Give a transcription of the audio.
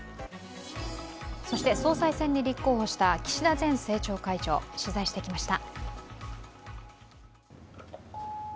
総裁選に立候補した岸田前政調会長を取材してきました。